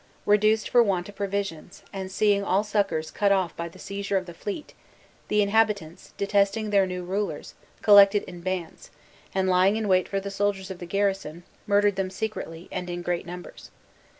Reduced for want of provisions, and seeing all succors cut off by the seizure of the fleet, the inhabitants, detesting their new rulers, collected in bands; and lying in wait for the soldiers of the garrison, murdered them secretly, and in great numbers.